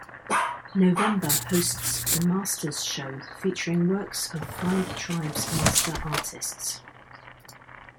November hosts the Master's Show featuring works of Five Tribes Master Artists.